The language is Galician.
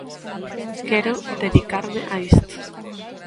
Quero dedicarme a isto.